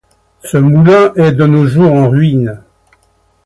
Ce moulin est de nos jours en ruine.